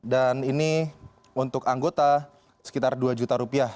ini untuk anggota sekitar dua juta rupiah